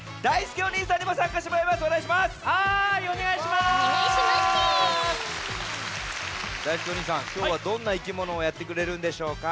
きょうはどんないきものをやってくれるんでしょうか？